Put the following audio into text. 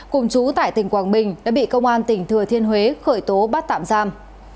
cùng chú tại tỉnh quảng bình đã bị công an tỉnh thừa thiên huế khởi tố bắt tạm giam